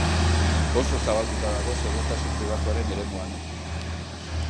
Oso zabalduta dago segurtasun pribatuaren eremuan.